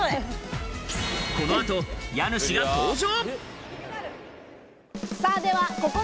この後、家主が登場！